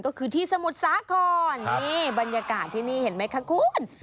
ก็คือที่สมุทรสาครนี่บรรยากาศที่นี่เห็นไหมคะคุณ